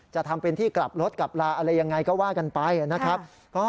จะทำเป็นที่กลับรถกลับลาอะไรยังไงก็ว่ากันไปนะครับ